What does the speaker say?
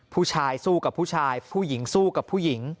ผู้ชายสู้กับผู้ชายผู้หญิงสู้กับผู้หญิง